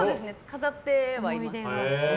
飾ってはいます。